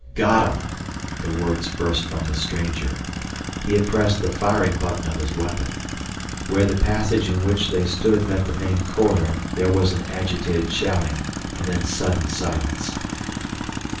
"Got 'em!" the words burst from the stranger. He had pressed the firing button of his weapon. Where the passage in which they stood met the main corridor, there was an agitated shouting and then sudden silence.